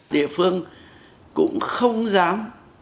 địa phương cũng không dám